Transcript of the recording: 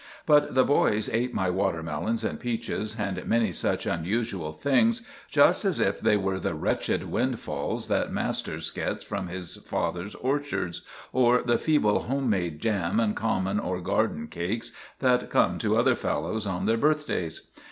But the boys ate my water melons and peaches and many such unusual things, just as if they were the wretched windfalls that Masters gets from his father's orchards, or the feeble home made jam and common or garden cakes that come to other fellows on their birthdays.